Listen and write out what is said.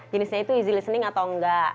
jenisnya itu izin listening atau enggak